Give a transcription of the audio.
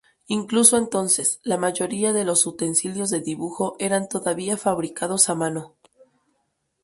Incluso entonces, la mayoría de los utensilios de dibujo eran todavía fabricados a mano.